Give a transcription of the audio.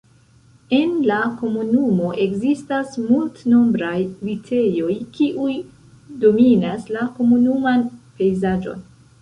En la komunumo ekzistas multnombraj vitejoj, kiuj dominas la komunuman pejzaĝon.